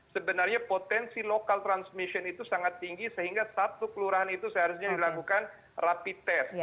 sebenarnya potensi lokal transmission itu sangat tinggi sehingga satu kelurahan itu seharusnya dilakukan rapid test